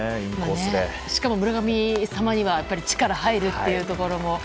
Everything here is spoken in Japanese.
しかも村神様には力が入るというところも。